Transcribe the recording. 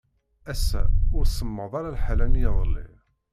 Assa ur semmeḍ ara lḥal am yiḍelli.